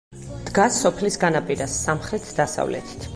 დგას სოფლის განაპირას, სამხრეთ-დასავლეთით.